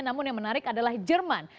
namun yang menarik adalah jerman